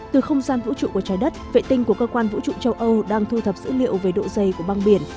từ không gian vũ trụ của trái đất vệ tinh của cơ quan vũ trụ châu âu đang thu thập dữ liệu về độ dày của băng biển